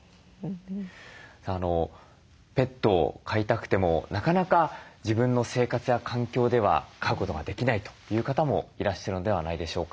ペットを飼いたくてもなかなか自分の生活や環境では飼うことができないという方もいらっしゃるのではないでしょうか。